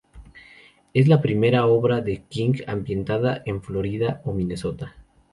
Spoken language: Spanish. Es la primera obra de King ambientada en Florida o Minnesota.